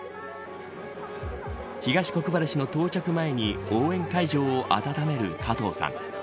東国原氏の到着前に応援会場を温める、かとうさん。